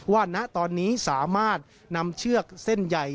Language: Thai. ณตอนนี้สามารถนำเชือกเส้นใหญ่